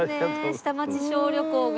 下町小旅行が。